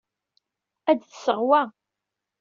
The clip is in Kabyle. Ad d-tseɣ wa.